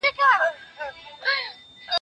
تا چي ول دوی به بيا راسي